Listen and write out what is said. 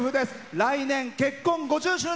来年、結婚５０周年。